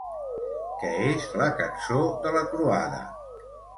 Què és la Cançó de la Croada?